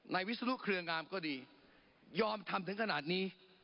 ในวิสุทธิ์เครื่องงามก็ดียอมทำถึงขนาดนี้